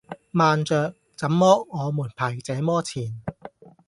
慢著！怎麼我們排這麼前